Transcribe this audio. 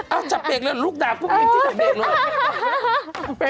เอาจับเบรกเลยลูกด่าพวกมันที่จับเบรกเลย